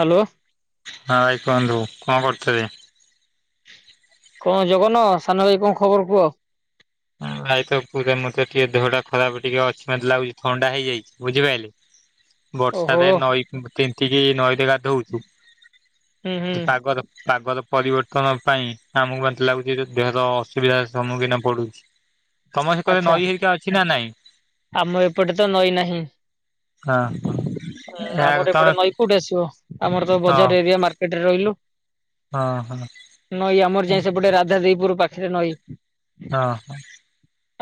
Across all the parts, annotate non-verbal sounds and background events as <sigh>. Hello ହଁ ଆଇକହନ୍ତୁ କଣ କରୁଥିବେ? କଣ ଜଗନ ସାନ ଭାଇ କଣ ଖବର କୁହ। ନାଇ ତ ପୁରା ମତେ ଟିକେ ଦେହ ଟା ଖରାପ ଟିକେ ଅଛି ମତେ ଲାଗୁଛି ଥଣ୍ଡା ହେଇଯାଇଛି ବୁଝିପାରିଲେ। ଓହୋ ବର୍ଷାରେ ନଈ ତିନ୍ତିକି ନଈରେ ଗାଧଉଛୁ। ହୁଁ ହୁଁ ପାଗର ପାଗର ପରିବର୍ତ୍ତନ ପାଇଁ ଆମକୁ ଏତି ଲାଗୁଛି ଦେହର ଅସୁବିଧାର ସମ୍ମୁଖୀନ ପଡୁଛି। ତମ ସେ କରେ ଆଚ୍ଛା ନଈ ହେରିକା ଅଛି ନା ନାଇଁ। ଆମ ଏପଟେ ତ ନଈ ନାହିଁ। ହଁ ହଁ ହୁଁ ଏହା ଆମର ତମେ ଏପଟେ ନଈପଟ ଆସିବ ଆମର ତ ହଁ ବଜାର ଏରିଆ ମାର୍କେଟରେ ରହିଲୁ। ହଁ ହଁ। ନଈ ଆମର ଯାଏ ସେପଟେ ରାଧା ଦେଇପୁର ପାଖରେ ନଈଁ। ହଁ ହଁ।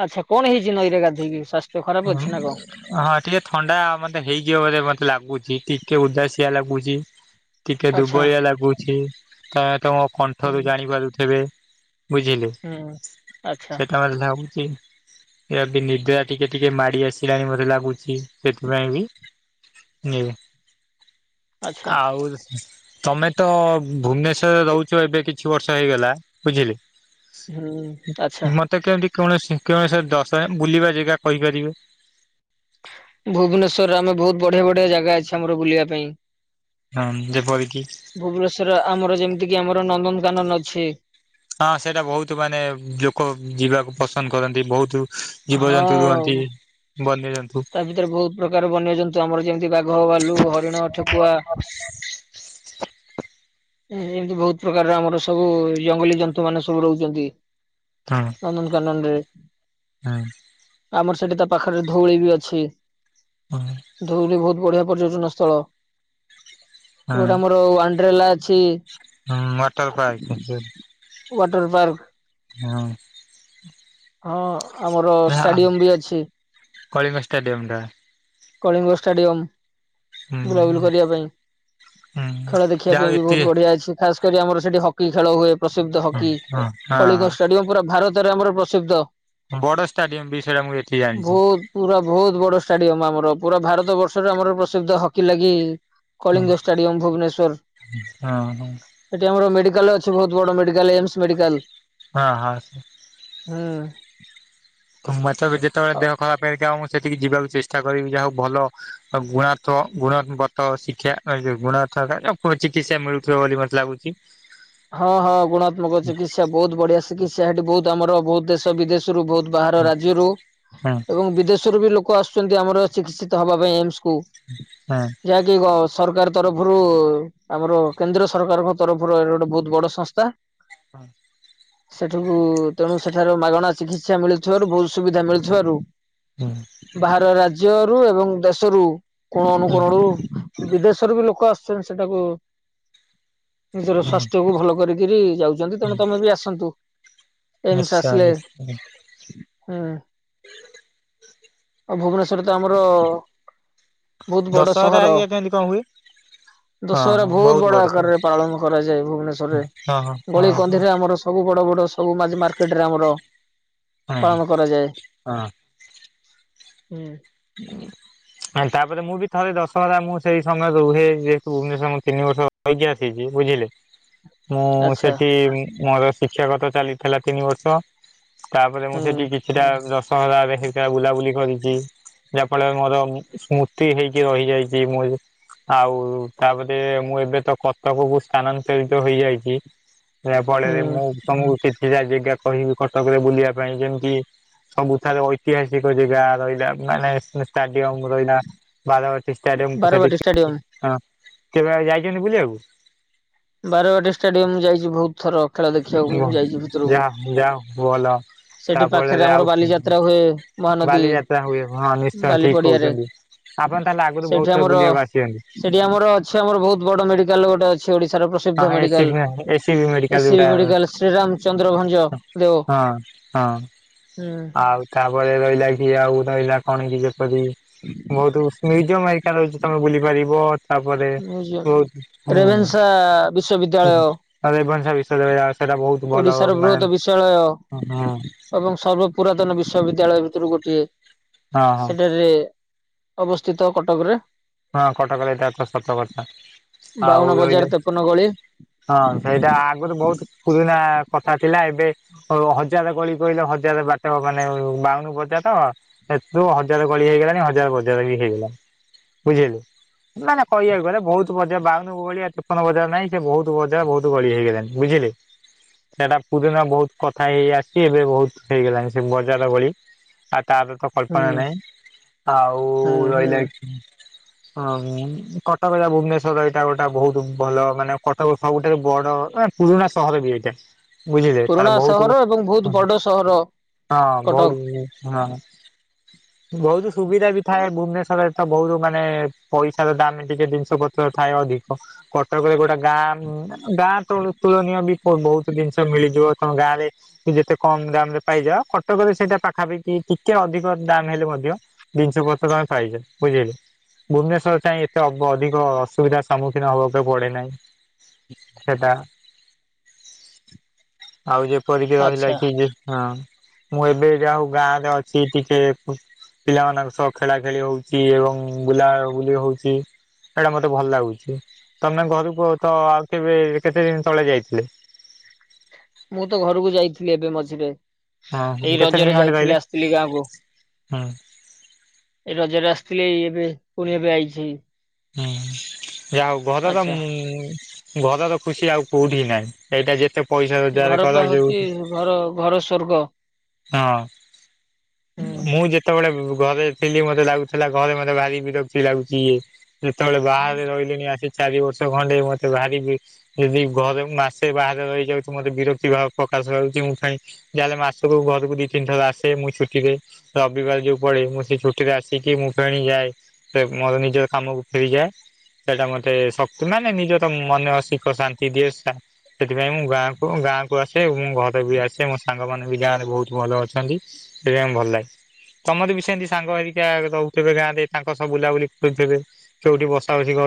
ଆଛା, କଣ ହେଇଛି ନଈରେ ଗାଧେଇକି--? ଖରାପ ହଁ ଅଛି ନା କଣ? ହଁ, ଟିକେ ଥଣ୍ଡା ମତେ ହେଇଯିବ ବୋଲି ମତେ ଲାଗୁଛି, କି ଟିକେ ଉଦାସଆ ଲାଗୁଛି, ଟିକେ ଆଚ୍ଛା ଦୁର୍ବଳିଆ ଲାଗୁଛି, ତମେ ତମ <unintelligible> ହୁଁ କଣ୍ଠରୁ ଜାଣିପାରୁଥିବେ? ବୁଝିଲେ ହୁଁ ଆଚ୍ଛା ସେଟା ମ ଲାଗୁଛି ନିଦ୍ରା ଟିକେ ଟିକେ ମାଡି ଆସିଲାଣି ମତେ ଲାଗୁଛି, ସେଥିପାଇଁ ବି ଆଚ୍ଛା ଆଉ ତମେ ତ ଭୁବନେଶରେ ରହୁଛ ଏବେ କିଛି ବର୍ଷ ହେଇଗଲା ବୁଝିଲେ? ହୁଁ ଆଛା। ମତେ କେମିତି କୌଣସି କଣ ସେ ଦଶ ବୁଲିବା ଜାଗା କହିପାରିବେ? ଭୁବନେଶରେ ଆମେ ବହୁତ ବଢିଆ ବଢିଆ ଜାଗା ଅଛି, ଆମର ବୁଲିବା ପାଇଁ ହଁ ଯେପରିକି ଭୁବନେଶର ଆମର ଯେମିତି କି -ଆମର ନନ୍ଦନ କାନନ ଅଛି। ହଁ ସେଇଟା ବହୁତ ମାନେ ଲୋକ ଯିବାକୁ ପସନ୍ଦ କରନ୍ତି, ବହୁତ ଜୀବଜନ୍ତୁ ହଁ ରୁହନ୍ତି ବନ୍ୟଜନ୍ତୁ ତା ଭିତରେ ବହୁତ ପ୍ରକାର ବନ୍ୟଜନ୍ତୁ ଆମର ଯେମିତି ବାଘ, ବାଲୁ, ହରିଣ, ଠେକୁଆ <inaudible> ଏମିତି ବହୁତ ପ୍ରକାର ଆମର ସବୁ ଜଙ୍ଗଲୀ ଜନ୍ତୁ ମାନ ସବୁ ରହୁଛନ୍ତି । ନନ୍ଦନ କାନନରେ ହୁଁ <inaudible> ଆମର ସେଠି ତା ପାଖରେ ଧଉଳି ବି ଅଛି, ହଁ ଧଉଳି ବହୁତ ବଢିଆ। ପର୍ଯ୍ୟଟନ ସ୍ଥଳ ହଁ। ଗୋଟେ ଆମର ଆଣ୍ଡ୍ରେଲା ହୁଁ, ମଟର ପାର୍କ। ୱାଟର ପାର୍କ ହଁ । ହଁ ଆମର ଷ୍ଟାଡିୟମ ବି ଅଛି । କଳିଙ୍ଗ ଷ୍ଟାଡିୟମ ଟା କଳିଙ୍ଗ ଷ୍ଟାଡିୟମ୍ ହୁଁ ବୁଲାବୁଲି କରିବା ପାଇଁ, ହୁଁ ଖେଳ ଦେଖିବା ଯାହା ପାଇଁ ହଉ ବି ବହୁତ ଏତିକି ବଢିଆ ଅଛି, ଖାସ କରି ଆମର ସେଠି ହକି ଖେଳ ହୁଏ ପ୍ରସିଦ୍ଧ ହକି, ହଁ କଳିଙ୍ଗ ହଁ ଷ୍ଟାଡିୟମ ପୁରା ଭାରତରେ ଆମର ପ୍ରସିଦ୍ଧ। ବଡ ଷ୍ଟାଡିୟମ ବି ସେଇଟା ମୁଁ ଏଠି ଜାଣିଛି ବହୁତ ପୁରା ବହୁତ ବଡ ଷ୍ଟାଡି ଆମର ପୁରା ଭାରତ ବର୍ଷରେ ଆମର ପ୍ରସିଦ୍ଧ ହକି ଲାଗି ହଁ କଳିଙ୍ଗ ଷ୍ଟାଡିୟମ ଭୁବନେଶ୍ଵର, ହଁ ଏଠି ଆମର ମେଡିକାଲ ଅଛି ବହୁତ ବଡ ମେଡିକାଲ ଏମ୍ସ ମେଡିକଲ, ହଁ ହଁ ହୁଁ। ତୁମର ତ ବି ଯେତେବେଳେ ଦେହ ଖରାପ ହେଇ ସେଠିକି ଯିବାକୁ ଚେଷ୍ଟା କରିବି, ଯାହାକୁ ଭଲ ଗୁଣ ଗୁଣବତ ଶିକ୍ଷା ଗୁଣ ସ ଆଣ ଚିକିତ୍ସା ମିଳୁଥିବ ବୋଲି ମତେ ଲାଗୁଛି। ହଁ, ହଁ, ଗୁଣାତ୍ମକ ଚିକିତ୍ସା, ବହୁତ ବଢିଆ ଚିକିତ୍ସା, ସେଠି ବହୁତ ଆମର ବହୁତ ଦେଶ ବିଦେଶ ବହୁତ ବାହାର ରାଜ୍ୟରୁ ହଁ ଏବଂ ବିଦେଶରୁ ବି ଲୋକ ଆସୁଛନ୍ତି ଆମର ଚିକିତ୍ସିତ ହବା ପାଇଁ ଏମ୍ସ । ହଁ ଯାଇକି <unintelligible> ସରକାର ତରଫରୁ, ଆମର କେନ୍ଦ୍ର ସରକାରଙ୍କ ତରଫରୁ ଗୋଟେ ବହୁତ ବଡ ସଂସ୍ଥା । ହଁ ସେଠକୁ ତେଣୁ ସେଠାରୁ ମାଗଣା ଚିକିତ୍ସା ମିଳୁଥିବାରୁ ବହୁତ ସୁବିଧା ମିଳୁଥିବାରୁ ହୁଁ ବାହାର ରାଜ୍ୟରୁ ଏବଂ ଦେଶରୁ କୋଣ ହୁଁ ଅନୁକୋଣରୁ ବିଦେଶରୁ ବି ଲୋକ ଆସିୁଛନ୍ତି ସେଟାକୁ, ନିଜର ହୁଁ ସାସ୍ଥ୍ୟ ଭଲ କରିକରି ଯାଉଛନ୍ତି ତେଣୁ ତମେ ବି ଆସନ୍ତୁ, ଏମସ ନିଶ୍ଚୟ ଆସିଲେ ନିଶ୍ଚୟ ହଁ ଆଉ ଭୁବନେଶରରେ ତ ଆମର ବହୁତ ବଡ ଦଶହରା ସହର, ହେରିକା କେମିତି କଣ ହୁଏ? ଦଶହରା ବହୁତ ବଡ ଆକାରରେ ପାଳନ କରାଯାଏ। ହଁ ଭୁବନେସ୍ୱରରେ ହଁ ଗଳି ହଁ କନ୍ଦିରେ ଆମର ସବୁ ସବୁ ବଡ ବଡ ସବୁ ମାଜି ମାର୍କେଟ୍ ରେ ଆମର ହଁ ପାଳନ କରାଯାଏ। ହଁ ହୁଁ। <inaudible> ତାପରେ ମୁଁ ବି ଥରେ ଦଶହରା ମୁଁ ସେଇ ସମୟରେ ରୁହେ ଯେହେତୁ ଭୁବନେସ୍ୱର ମୁଁ ତିନି ବର୍ଷ ରହିକି ଆସଛି। ବୁଝିଲେ? <inaudible> ମୁଁ ଆଚ୍ଛା ସେଠି ମୋର ଶିକ୍ଷାଗତ ଚାଲିଥିଲା ତିନି ବର୍ଷ। ତାପରେ ମୁଁ ହୁଁ ସେଠି କିଛିଟା ଦଶହରାରେ ସେଇଟା ବୁଲାବୁଲି କରିଛି। ଯାହା ଫଳ ମୋରଉଁ ସ୍ମୃତି ହେଇକି ରହିଯାଇଛି ମୁଁ ଆଉ ତାପରେ ମୁଁ ଏବେ ତ କଟକକୁ ସ୍ଥାନାନ୍ତରିତ ହେଇଯାଇଛି। ଏହା ହୁଁ ଫଳରେ ମୁଁ ତମକୁ କିଛି ଯା ଜାଗା କହିବି କଟକରେ ବୁଲିବା ପାଇଁ ଯେମିତି ସବୁଠାରେ ଐତିହାସିକ ଯେଗା ରହିଲା ମାନେ ଷ୍ଟାଡିୟମ ରହଲା ବାରାବାଟି ଷ୍ଟାଡିୟମ କ ସେଠି ବାରବାଟୀ ଷ୍ଟାଡିୟମ। ହଁ। କେବେ ଯାଇଛନ୍ତି ବୁଲିବାକୁ? ବାରବାଟୀ ଷ୍ଟାଡିୟମ ଯାଇଛି ବହୁତ ଥର। ଖେଳ ଦେଖିବାକୁ ମୁଁ ଯାଇଛି ଭିତରକୁ ଯା ଯା ଭଲ। ସେଠି ପାଖରେ ତାଫଳରେ ଆମର ଆଉ ବାଲିଯାତ୍ରା ହୁଏ। ମହାନଦୀ ବାଲିଯାତ୍ରା ହୁଏ ହଁ ନିଶ୍ଚୟ ବାଲି ଠିକ ପଡିଆରେ। କହୁଛନ୍ତି। ଆପଣ ତାହେଲେ ଆଗରୁ ବହୁତ ସେଠି ଥର ଆମର ବୁଲିବାକୁ ଆସିଛନ୍ତି ସେଠି ଆମର ଅଛି ଆମର ବହୁତ ବଡ ମେଡିକାଲ ଗୋଟେ ଅଛି। ଓଡିଶାର ପ୍ରସିଦ୍ଧ ହଁ ଏସି ମେଡିକାଲ। ବି ଏସି ବି ମେଡିକାଲ ଏସିବି ଯୋଉଟା ମେଡିକାଲ ଶ୍ରୀରାମ ଚନ୍ଦ୍ର ଭଞ୍ଜ ହଁ। ଦେଓ ହଁ ଆଉ ତାପ କଣ ହେଇଚି ଯେପରି ବହୁତ ଉଷ୍ମୟ ଯିବ ମୁ ଏକା <unintelligible> ତମେ ବୁଲି ପାରିବ। ତାପରେ ବହୁତ ହୁଁ। ଆ ବିଶ୍ୱବିଦ୍ୟାଳୟ। <unintelligible> ଭଲ ଓଡିଶାର ବୃହତ ମାନେ ହଁ ବିଶ୍ଵାଳୟ ହଁ ଏବଂ ସର୍ବ ପୁରାତନ ବିଶ୍ବବିଦ୍ୟାଳୟ ଭିତରୁ ଗୋଟେ ଟଏ ହଁ ସେଠାରେ ଅବସ୍ଥିତ କଟକରେ। ହଁ କଟକରେ ଏଟ ତ ସତ କଥା। ବାଉନ ଆଉ ବଜାର ରହିଲ ତେପନ ଗଳି। ହଁ ସେଇଟା ଆଗରୁ ବହୁତ ପୁରୁଣା କଥା ଥିଲା ଏବେ ଅ ହଜାର ଗଳି କହିଲେ ହଜାର ବାଟ ମାନେ ବାଉନୁ ବଜାର ହଁ ହେତୁ ହଜାର ଗଳି ହେଇଗଲାଣି ହଜାର ବଜାର ବି ହେଇଗଲାଣି ବୁଝିଲୁ। ମାନେ କହିବାକୁ ଗଲେ ବହୁତ ବଜୟ ବାଉୁନୁ ଗଳିଆ ତେପନ ବଜାରା ନାଇଁ ସେ ବହୁତ ବଜା ବହୁତ ଗଳି ହେଇଗଲାଣି ବୁଝି। <unintelligible> ସେଟା ପୁରୁିନ ବହୁତ କଥା ହେଇ ଆସିଛି ଏବେ ବହୁତ ହେଇଗଲାଣି ସେ ବଜାର ଭଳି ଆ ତାର ତ କଳ୍ପନା ହୁଁ। ନହିଁ ଆଉ ହୁଁ ହୁଁ ରହିଲା <inaudible> ହ କଟକ ଏଟା ଭୁବନେଶ୍ଵର ଏଇଟା ଗୋଟେ ବହୁତ ଭଲ ମାନେ କଟକ ସବୁଠାରୁ ବଡ ୟକ୍ ପୁରୁଣା ସହର ବି ଏଇଟା ବୁଝିଲେ ତାର ପୁରୁଣା ବହୁତ ହଁ ସହର ଏବଂ ବହୁତ ବଡ ସହର ଭ କଟକ ହଁ। ବହୁତ ସୁବିଧା ବି ଥାଏ ଭୁବନେଶ୍ଵରରେ ତ ବହୁତ ମାନ ମାନେ ପଇସାର ଦାମ ଟିକେ ଜିନିଷ ପତ୍ର ଥାଏ ଅଧିକ। କଟକରେ ଗୋଟେ ଗାଁଁ ଉଁ ଗାଁ ଗାଁ ତ ତୁଳନୀୟ ବି ବହୁତ ଜିନିଷ ମିଳିଯିବ ତମ ଗାଁରେ ଯେତେ କମ ଦାମ ରେ ପାଇଯ କଟ କଟକ ରେ ସେଇଟା ପାଖାପାଖି ଟିକେ ଅଧିକ ଦାମ ହେଲେ ମଧ୍ୟ ଜିନିଷ ପତର ଆମେ ପାଇଛ ବୁଝେଲେ। ଭୁବନେସ୍ୱର ଚାଇଁ ଯାଇ ଏତେ ଅବ୍ ଅଧିକ ଅସୁବିଧାର ସମ୍ମୁଖୀନ ହବାକୁ ପଡେ ନାହିଁ। ସେଟା। <inaudible> ଆଉ ଯେପରିକି ରହିଲା ଆଚ୍ଛା କି ହଁ। ମୁଁ ଏବେ ଯ ହଉ ଗାଁ ରେ ଅଛି ଟିକେ ଖୁ ପିଲାମାନଙ୍କ ସହ ଖେଳା ଖେଳି ହଉଛି ଏବଂ ବୁଲାବୁଲି ହଉଛି। ସେଇଟା ମତେ ଭଲ ଲାଗୁଛି। ତମେ ଘରକୁ ତ ଆଉ କେବେ କେତେ ଦିନ ତଳେ ଯାଇଥିଲେ? ମୁଁ ତ ଘରକୁ ଯାଇଥିଲି ଏବେ ମଝିରେ ହଁ ଏଇ ରଜରେ ଯାଇଥିଲି ଆସିଥିଲି ଗାଁକୁ ହଁ ଏ ରଜରେ ଆସିଥିଲେ, ଏଇ ଏବେ ପୁଣି ଏବେ ଆଇଛି। ହୁଁ ଯ ଆଉ ଘର ତ ଆଚ୍ଛା ଉ ଘରର ଖୁସି ଆଉ କୋଉଠି ନାହିଁ, ଏଇଟା ଯେତେ ପଇସା ରୋଜଗାର ଘର ପା କର ଯୋଉ ହଉଛି ଘର, ଘର ସ୍ବର୍ଗ ହଁ, ହୁଁ ମୁଁ ଯେତେବେଳେ ଘରେ ଥିଲି ମତେ ଲାଗୁଥିଲା ଘରେ ମତେ ଭାରି ବିରକ୍ତି ଲାଗୁଛି ଇଏ, ଯେତେବେଳେ ବାହାରେ ରହିଲେଣି ଆସି ଚାରି ବର୍ଷ ଖଣ୍ଡେ ମତେ ବାହାରି ଯଦି ଘରେ ମାସେ ବାହାରେ ରହିଯାଉଛି, ମତେ ବିରକ୍ତି ଭାବ ଚାଛି ମୁଁ ଯାଲେ ମା <unintelligible> ଘରକୁ ଦିଇ ତିନି ଥର ଆସେ ମୁଁ ଛୁଟି ରେ, ରବିବାର ଯୋଉ ପଡେ ମୁଁ ସେ ଛୁଟିରେ ଆସିକି ମୁଁ ଫେରି ଯାଏ। ସେ ମୋର ନିଜ କାମକୁ ଫେରିଯାଏ। ସେଇଟା ମତେ ଶକ୍ତି ମାନେ, ନିଜ ତ ମନେ ଶିଖ ଶାନ୍ତି ଦିଏ। ସେଥିପାଇଁ ମୁଁ ଗାଁକୁ ଗାଁ କୁ ଆସେ, ମୁଁ ଘରେ ବି ଆସେ ମୋ ସାଙ୍ଗମାନେ ଏ ଗାଁ ରେ ବହୁତ ଭଲ ଅଛନ୍ତି, ସେଟା ଭଲ ଲାଗେ। ତମର ବି ସେମିତି ସାଙ୍ଗ ହେଇିକି ରହୁଥିବେ ଗାଁରେ ତାଙ୍କ ସବ ବୁଲାବୁଲି କରୁଥିବେ କୋଉଠି ବସାବସି କରି